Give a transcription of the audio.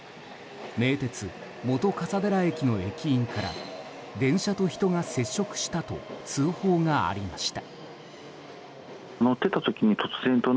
名鉄本笠寺駅の駅員から電車と人が接触したと通報がありました。